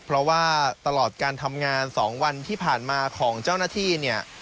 เพราะว่าตลอดการทำงาน๒วันที่ผ่านมาของเจ้าหน้าที่เนี่ย